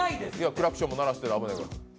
クラクションも鳴らして、危ないから。